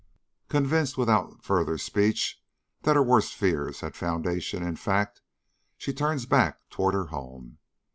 '" "Convinced without further speech, that her worst fears had foundation in fact, she turns back toward her home.